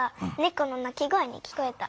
この鳴き声に聞こえた。